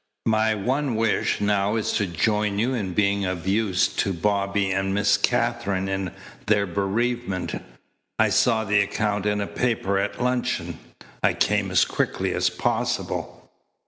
My one wish now is to join you in being of use to Bobby and Miss Katherine in their bereavement. I saw the account in a paper at luncheon. I came as quickly as possible."